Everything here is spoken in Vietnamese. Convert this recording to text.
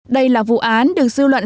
đây là vụ án được dư luận